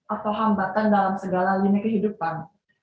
atau hambatan dalam segala lini kehidupan